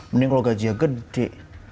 mending kalo gajian gede